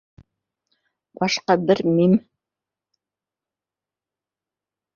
Башҡа бер Мим